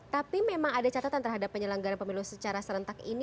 tapi memang ada catatan terhadap penyelenggaran pemilu secara serentak ini